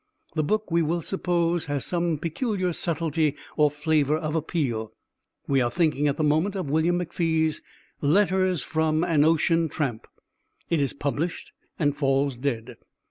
The book, we will suppose, has some peculiar subtlety or flavour of appeal. (We are thinking at the moment of William McFee's "Letters From an Ocean Tramp.") It is published and falls dead.